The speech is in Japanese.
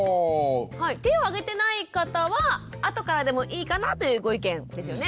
手をあげてない方は後からでもいいかなというご意見ですよね。